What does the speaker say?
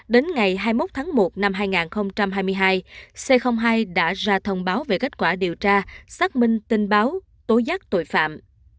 đến ngày hai mươi một tháng một năm hai nghìn hai mươi hai c hai đã ra thông báo về kết quả điều tra xác minh tin báo tố giác tội phạm